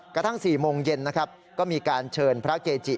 กระทั่ง๔โมงเย็นนะครับก็มีการเชิญพระเกจิ